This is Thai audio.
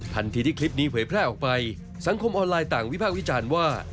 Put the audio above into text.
ทันทีที่คลิปนี้เผยแพร่ออกไปสังคมออนไลน์ต่างวิพากษ์วิจารณ์ว่า